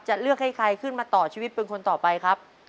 เลือกให้ใครขึ้นมาต่อชีวิตเป็นคนต่อไปครับ